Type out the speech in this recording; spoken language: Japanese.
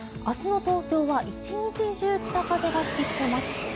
明日の東京は１日中、北風が吹きつけます。